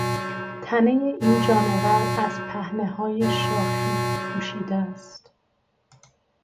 تنهی این جانور از پهنههای شاخی پوشیده است.